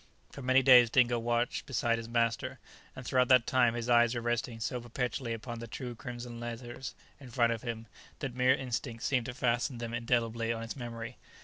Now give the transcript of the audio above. For many days Dingo watched beside his master, and throughout that time his eyes were resting so perpetually upon the two crimson letters in front of him, that mere instinct seemed to fasten them indelibly on his memory.